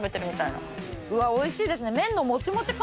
うわっおいしいですね。